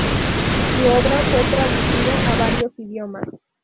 Su obra fue traducida a varios idiomas.